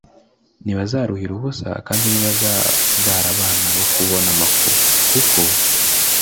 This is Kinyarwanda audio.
ntibazaruhira ubusa kandi ntibazabyara abana bo kubona amakuba c kuko